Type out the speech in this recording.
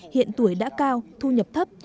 hiện tuổi đã cao thu nhập thấp